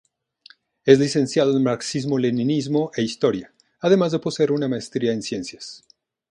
Es Licenciado en Marxismo-leninismo e Historia, además de poseer una maestría en Ciencias.